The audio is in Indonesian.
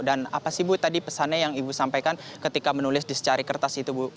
dan apa sih ibu tadi pesannya yang ibu sampaikan ketika menulis di secari kertas itu ibu